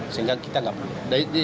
sehingga kita tidak perlu